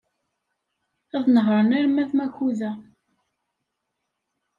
Ad nehṛen arma d Makuda.